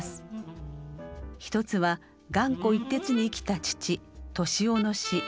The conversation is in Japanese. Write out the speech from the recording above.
一つは頑固一徹に生きた父敏雄の死。